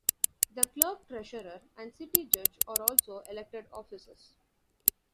The clerk-treasurer and city judge are also elected offices.